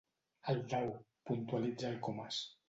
El Dau —puntualitza el Comas.